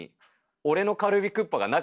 俺のカルビクッパがない！